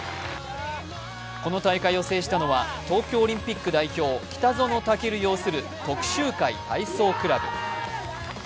この大会を制したのは、東京オリンピック代表・北園丈琉擁する徳洲会体操クラブ。